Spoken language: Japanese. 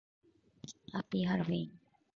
ハッピーハロウィン